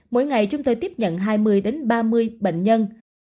mỗi ngày chúng tôi tiếp nhận hai mươi ba mươi bệnh nhân